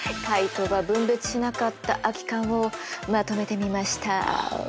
カイトが分別しなかった空き缶をまとめてみました。